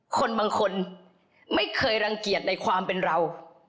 คนบางคนไม่เคยรังเกียจในความเป็นเรา